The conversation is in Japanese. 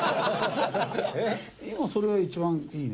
今それが一番いいね。